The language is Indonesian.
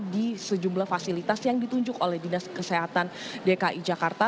di sejumlah fasilitas yang ditunjuk oleh dinas kesehatan dki jakarta